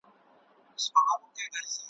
ویل ځه مخته دي ښه سلا مُلاجانه ,